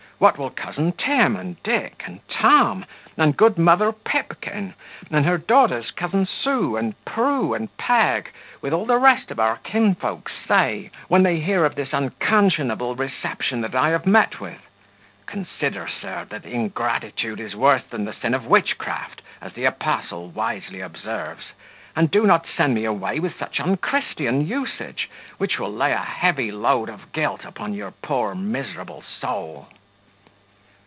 What will cousin Tim, and Dick, and Tom, and good mother Pipkin; and her daughters cousin Sue, and Prue, and Peg, with all the rest of our kinsfolks, say, when they hear of this unconscionable reception that I have met with? Consider, sir, that ingratitude is worse than the sin of witchcraft, as the Apostle wisely observes; and do not send me away with such unchristian usage, which will lay a heavy load of guilt upon your poor miserable soul."